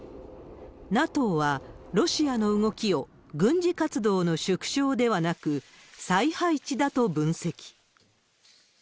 ＮＡＴＯは、ロシアの動きを軍事活動の縮小ではなく、再配置だと分析。